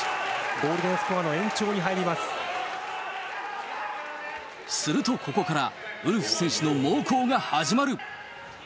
ゴールデンスコアの延長に入りますると、ここからウルフ選手の猛攻が始まる。